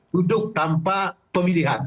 duduk tanpa pemilihan